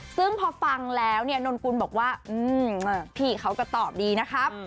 ซึ่งพอฟังแล้วเนี่ยนนกุลบอกว่าพี่เขาก็ตอบดีนะครับ